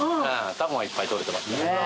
タコがいっぱい捕れてます。